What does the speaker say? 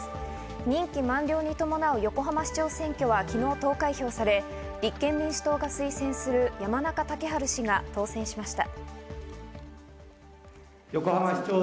任期満了に伴う横浜市長選挙は昨日、投開票され、立憲民主党が推薦する山中竹春氏が当選しました。